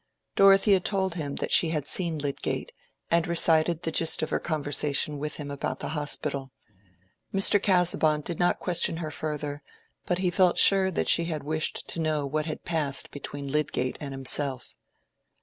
Dorothea told him that she had seen Lydgate, and recited the gist of her conversation with him about the Hospital. Mr. Casaubon did not question her further, but he felt sure that she had wished to know what had passed between Lydgate and himself.